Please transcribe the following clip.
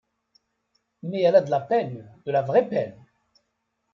Mais elle a de la peine, de la vraie peine !